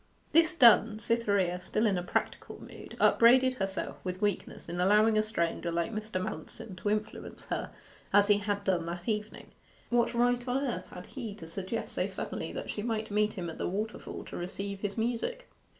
This done, Cytherea, still in a practical mood, upbraided herself with weakness in allowing a stranger like Mr. Manston to influence her as he had done that evening. What right on earth had he to suggest so suddenly that she might meet him at the waterfall to receive his music?